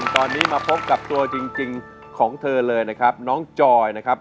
ตอนนี้มาพบกับตัวจริงของเธอเลยนะครับน้องจอยนะครับ